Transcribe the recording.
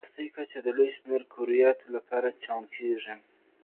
وروستۍ کچه د لوی شمېر کرویاتو لپاره چاڼ کېږي.